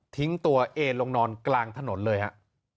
ตัวเองลงนอนกลางถนนเลยฮะ